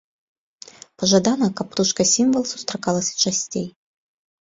Пажадана, каб птушка-сімвал сустракалася часцей.